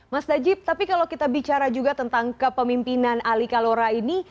mas najib tapi kalau kita bicara juga tentang kepemimpinan ali kalora ini